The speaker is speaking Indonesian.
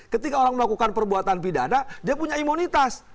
ketika orang melakukan perbuatan pidana dia punya imunitas